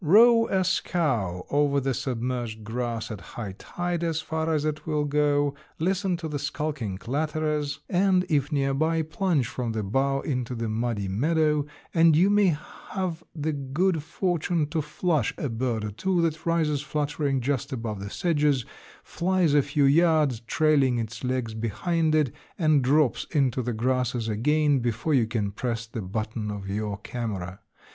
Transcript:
Row a scow over the submerged grass at high tide as far as it will go, listen to the skulking clatterers, and, if near by, plunge from the bow into the muddy meadow, and you may have the good fortune to flush a bird or two that rises fluttering just above the sedges, flies a few yards, trailing its legs behind it, and drops into the grasses again before you can press the button of your camera.